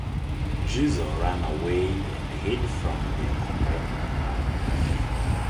Gizo ran away and hid from their combined wrath.